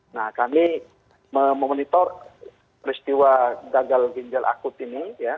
nah kami memonitor peristiwa gagal ginjal akut ini